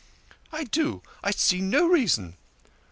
" I do, I see no reason."